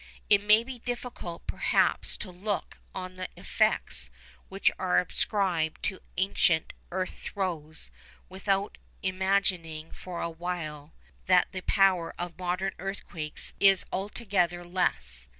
It may be difficult, perhaps, to look on the effects which are ascribed to ancient earth throes without imagining for a while that the power of modern earthquakes is altogether less.